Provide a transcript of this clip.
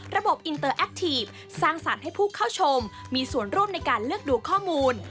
ระบบอินเตอร์แอคทีฟสร้างสรรค์ให้ผู้เข้าชมมีส่วนร่วมในการเลือกดูข้อมูล